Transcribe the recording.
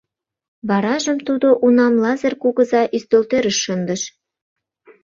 Варажым тудо унам Лазыр кугыза ӱстелтӧрыш шындыш.